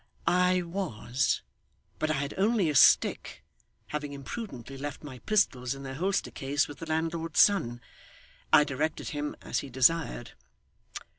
'I was, but I had only a stick, having imprudently left my pistols in their holster case with the landlord's son. I directed him as he desired.